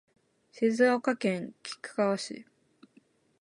静岡県菊川市